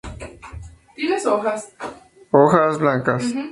Esta fue sin duda su mayor obra.